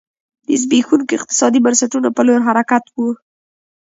د زبېښونکو اقتصادي بنسټونو په لور حرکت و.